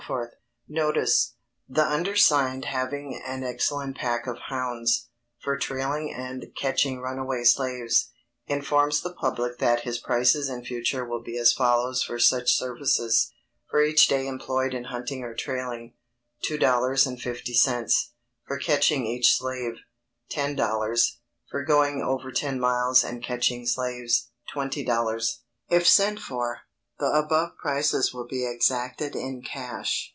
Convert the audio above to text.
The undersigned having an excellent pack of HOUNDS, for trailing and catching runaway slaves, informs the public that his prices in future will be as follows for such services: For each day employed in hunting or trailing, $2.50 For catching each slave, 10.00 For going over ten miles and catching slaves, 20.00 If sent for, the above prices will be exacted in cash.